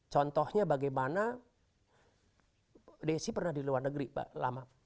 contohnya bagaimana desi pernah di luar negeri pak lama